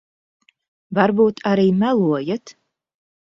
Varbūt arī melojat.